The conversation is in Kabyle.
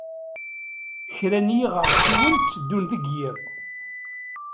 Kra n yiɣersiwen tteddun deg yiḍ.